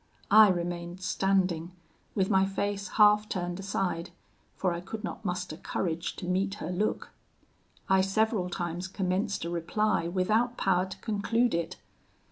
I remained standing, with my face half turned aside, for I could not muster courage to meet her look. I several times commenced a reply without power to conclude it.